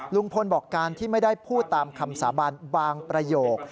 ลุงพลบอกการที่ไม่ได้พูดตามคำสาบานบางประโยค